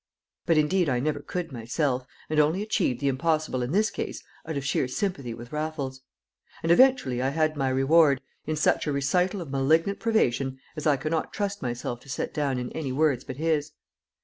But indeed I never could myself, and only achieved the impossible in this case out of sheer sympathy with Raffles. And eventually I had my reward, in such a recital of malignant privation as I cannot trust myself to set down in any words but his.